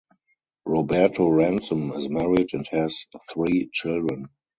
Roberto Ransom is married and has three children.